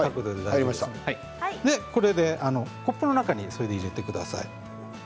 これでコップの中に入れてください。